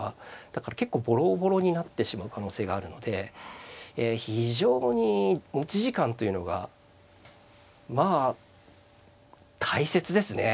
だから結構ぼろぼろになってしまう可能性があるので非常に持ち時間というのがまあ大切ですね。